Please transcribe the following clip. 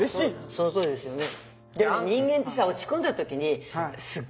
そのとおりですよね。